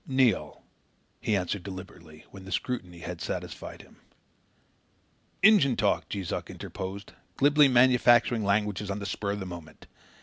"Neil," he answered deliberately when the scrutiny had satisfied him. "Injun talk," Jees Uck interposed, glibly manufacturing languages on the spur of the moment.